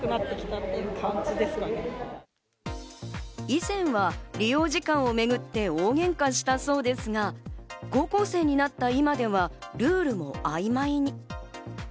以前は利用時間をめぐって大喧嘩したそうですが、高校生になった今ではルールも曖昧に。